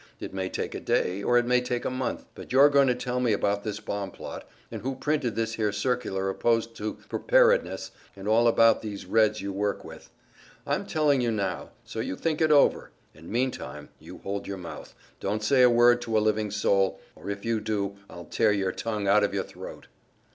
It may take a day, or it may take a month, but you're going to tell me about this bomb plot, and who printed this here circular opposed to Preparedness, and all about these Reds you work with. I'm telling you now so you think it over; and meantime, you hold your mouth, don't say a word to a living soul, or if you do I'll tear your tongue out of your throat."